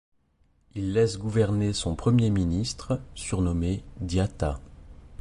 Il laisse gouverner son premier ministre, surnommé Diata.